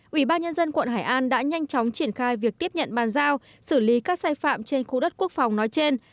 ủy ban nhân dân quận hải an đã nhanh chóng triển khai việc tiếp nhận bàn giao xử lý các sai phạm trên khu đất quốc phòng nói trên